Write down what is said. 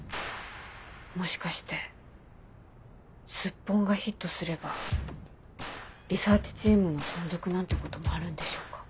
もしかしてスッポンがヒットすればリサーチチームの存続なんてこともあるんでしょうか？